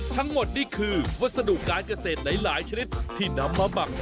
ทั้งหมดนี่คือวัสดุการเกษตรหลายชนิดที่นำมาหมัก